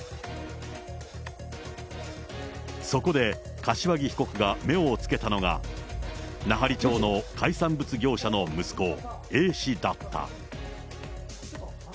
そこで柏木被告が目をつけたのが、奈半利町の海産物業者の息子、Ａ氏だった。